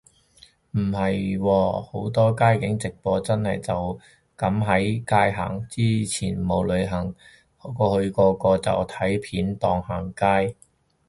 唔係喎，好多街景直播真係就噉喺街行，之前冇旅行去個個就睇片當行街